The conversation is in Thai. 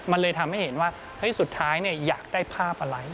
มันเลยทำให้เห็นว่าสุดท้ายอยากได้ภาพอะไร